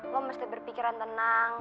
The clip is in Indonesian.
lo mesti berpikiran tenang